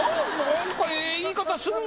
何かええ言い方するんですよ。